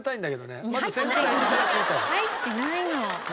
入ってないから。